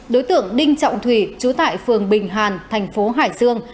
đối tượng đinh trọng thủy trú tại phường bình hàn thành phố hải dương